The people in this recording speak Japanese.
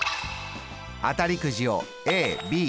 当たりくじをＡＢ。